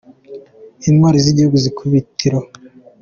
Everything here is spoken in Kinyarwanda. Intwari z’igihugu z’ikubitiro